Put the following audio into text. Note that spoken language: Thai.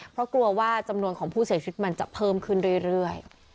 เพราะกลัวว่าจำนวนของผู้เสียชีวิตมันจะเพิ่มขึ้นเรื่อย